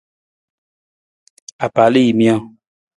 Apalajiimijang.